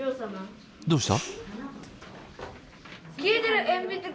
どうした？